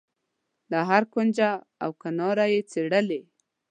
له هره کونج و کناره یې څېړلې.